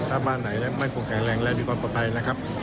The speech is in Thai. ถ้าบ้านไหนไม่คงแข็งแรงและมีความปลอดภัยนะครับ